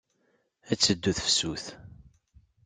Ad teddu tefsut.